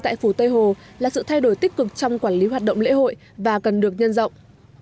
tại phủ tây hồ là sự thay đổi tích cực trong quản lý hoạt động lễ hội và cần được nhân rộng